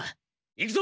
行くぞ！